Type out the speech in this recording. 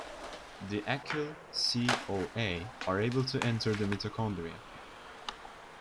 The acyl-CoA are able to enter the mitochondria.